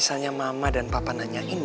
kalau mamah dan papa bertanya tanya kakak